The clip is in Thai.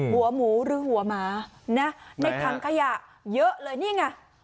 หัวหมูหรือหัวหมานะในถังขยะเยอะเลยนี่ไง